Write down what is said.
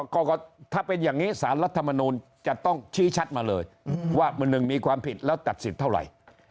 ก็ถ้าเป็นอย่างนี้สารรัฐมนูลจะต้องชี้ชัดมาเลยว่ามือหนึ่งมีความผิดแล้วตัดสิทธิ์เท่าไหร่